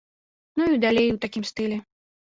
Ну і далей у такім стылі.